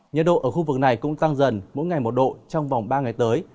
nhiệt độ ở khu vực này cũng tăng dần mỗi ngày một độ trong vòng ba ngày tới